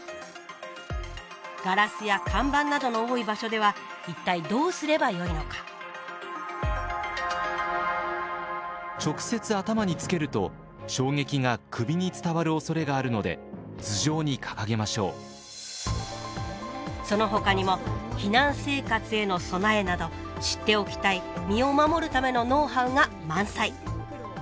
ガラスや看板などの多い場所では一体どうすればよいのか直接頭につけると衝撃が首に伝わるおそれがあるので頭上に掲げましょうそのほかにも避難生活への備えなど知っておきたい身を守るためのノウハウが満載。